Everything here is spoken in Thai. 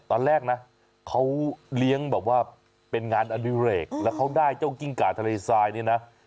ตอนแรกนะเขาเลี้ยงแบบว่าเป็นงานอดิเรกแล้วเขาได้เจ้ากิ้งกาทะเลทรายเนี่ยนะ